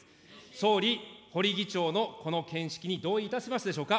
総理、保利議長のこの見識に同意いたしますでしょうか。